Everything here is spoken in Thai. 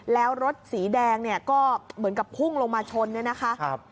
แล้วรถสีแดงเนี่ยก็เหมือนกับพุ่งลงมาชนเนี่ยนะคะ